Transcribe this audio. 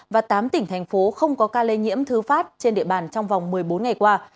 và tám tỉnh thành phố không có ca lây nhiễm thứ phát trên địa bàn trong vòng một mươi bốn ngày qua